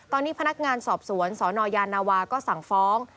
ตอนนี้พนักงานสอบสวนสนยานาวาก็สั่งฟ้อง